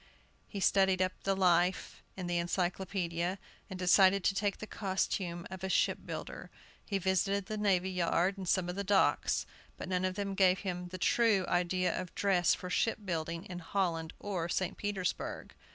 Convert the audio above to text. He studied up the life in the Encyclopædia, and decided to take the costume of a ship builder. He visited the navy yard and some of the docks; but none of them gave him the true idea of dress for ship building in Holland or St. Petersburg.